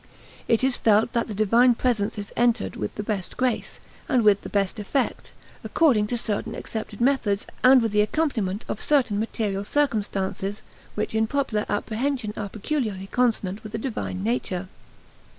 It is felt that the divine presence is entered with the best grace, and with the best effect, according to certain accepted methods and with the accompaniment of certain material circumstances which in popular apprehension are peculiarly consonant with the divine nature.